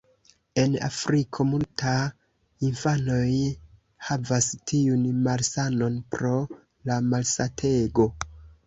En Afriko multa infanoj havas tiun malsanon pro la malsatego.